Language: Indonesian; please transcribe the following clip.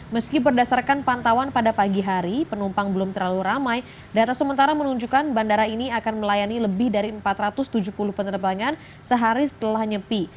meski berdasarkan pantauan pada pagi hari penumpang belum terlalu ramai data sementara menunjukkan bandara ini akan melayani lebih dari empat ratus tujuh puluh penerbangan sehari setelah nyepi